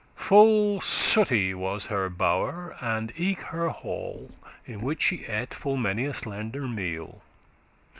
Full sooty was her bow'r,* and eke her hall, *chamber In which she ate full many a slender meal.